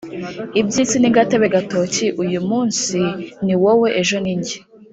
Ibyisi ni gatebe gatoki uyumumnsi niwowe ejo ninjye